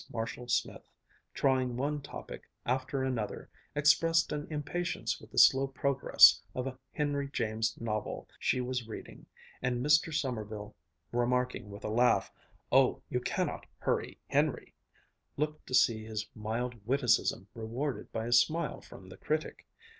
Marshall Smith, trying one topic after another, expressed an impatience with the slow progress of a Henry James novel she was reading, and Mr. Sommerville, remarking with a laugh, "Oh, you cannot hurry Henry," looked to see his mild witticism rewarded by a smile from the critic.